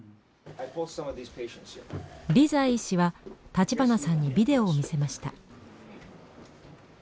リザイ医師は立花さんにビデオを見せました。